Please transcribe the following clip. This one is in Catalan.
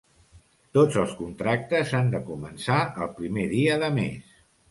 Tots els contractes han de començar el primer dia de mes.